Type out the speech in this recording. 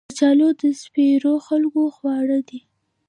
کچالو د سپېرو خلکو خواړه دي